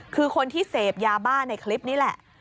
คือคนที่เสพยาบ้าในคลิปนี้แหละ